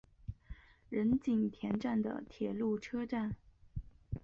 仁井田站的铁路车站。